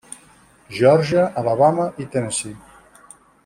Geòrgia, Alabama i Tennessee.